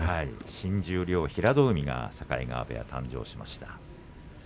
新十両平戸海が境川部屋で誕生しました。